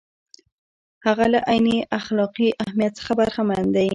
هغه له عیني اخلاقي اهمیت څخه برخمن دی.